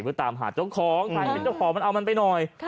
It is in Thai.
เพื่อตามหาเจ้าของถ่ายเป็นเจ้าของมันเอามันไปหน่อย